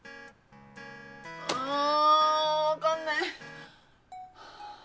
あ分かんない！